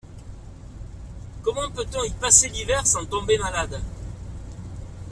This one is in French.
Comment peut-on y passer l’hiver sans tomber malade?